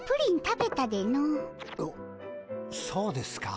そうですか？